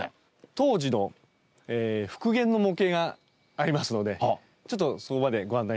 当時の復元の模型がありますのでちょっとそこまでご案内したいと思います。